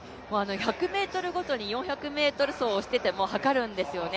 １００ｍごとに４００ｍ走をしていても、はかるんですよね。